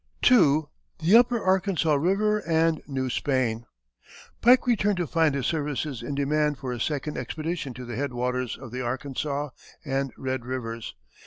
II. THE UPPER ARKANSAS RIVER AND NEW SPAIN. Pike returned to find his services in demand for a second expedition to the head waters of the Arkansas and Red rivers.